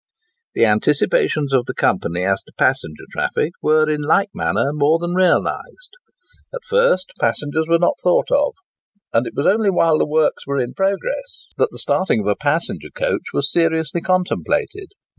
The anticipations of the company as to passenger traffic were in like manner more than realised. At first, passengers were not thought of; and it was only while the works were in progress that the starting of a passenger coach was seriously contemplated.